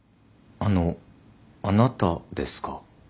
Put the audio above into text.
あのあなたですか？